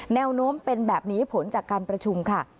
แนวโน้มเป็นแบบนี้ผลจากการประชุมค่ะ